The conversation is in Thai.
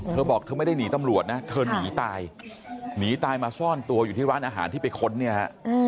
เธอบอกเธอไม่ได้หนีตำรวจนะเธอหนีตายหนีตายมาซ่อนตัวอยู่ที่ร้านอาหารที่ไปค้นเนี่ยฮะ